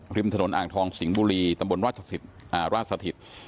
ครบถนนอ่างทองสิงห์บุรีตำบ่นราชฐศิษย์ราชฐศิษย์